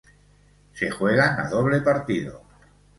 Se juegan a doble partido.